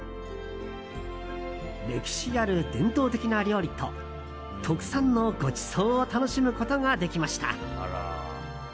歴史ある伝統的な料理と特産のごちそうを楽しむことができました。